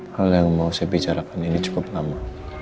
hal yang mau saya bicarakan ini cukup lama